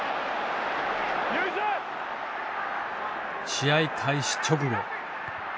試合開始直後。